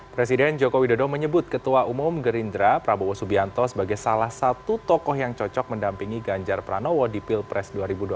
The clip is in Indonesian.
presiden joko widodo menyebut ketua umum gerindra prabowo subianto sebagai salah satu tokoh yang cocok mendampingi ganjar pranowo di pilpres dua ribu dua puluh empat